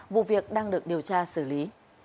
vụ việc đang được điều tra xử lý